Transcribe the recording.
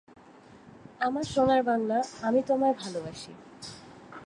আমার সোনার বাংলা, আমি তোমায় ভালোবাসি।